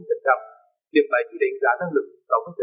tiệm bài tùy đánh giá năng lực sáu mươi